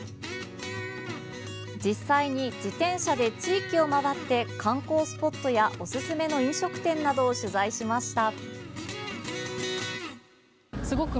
実際に自転車で地域を回って観光スポットやおすすめの飲食店などを取材しました。